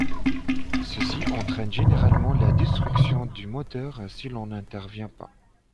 Ceci entraîne généralement la destruction du moteur si l'on n'intervient pas.